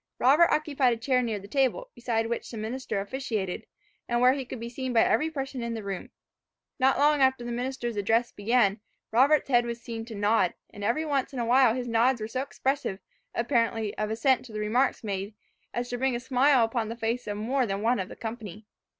Robert occupied a chair near the table, beside which the minister officiated, and where he could be seen by every person in the room: Not long after the minister's address began, Robert's head was seen to nod; and every once in a while his nods were so expressive, apparently, of assent to the remarks made, as to bring a smile upon the face of more than one of the company.